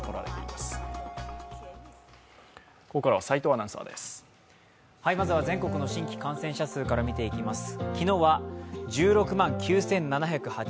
まずは全国の新規感染者数から見ていきます。